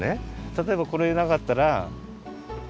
たとえばこれなかったら。